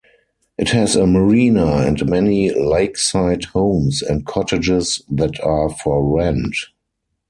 It has a marina and many lakeside homes and cottages that are for rent.